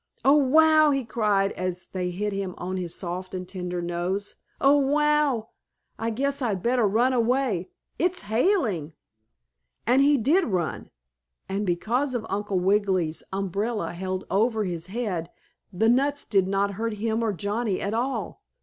"Oh, wow!" he cried, as they hit him on his soft and tender nose. "Oh, wow! I guess I'd better run away. It's hailing!" And he did run. And because of Uncle Wiggily's umbrella held over his head, the nuts did not hurt him or Johnnie at all.